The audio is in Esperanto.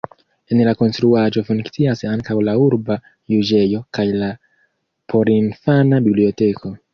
En la konstruaĵo funkcias ankaŭ la urba juĝejo kaj la porinfana biblioteko.